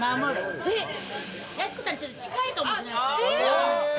やす子さん、ちょっと近いかもしれない。